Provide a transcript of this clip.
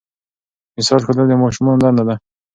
مثال ښودل د ماشومانو دنده ده.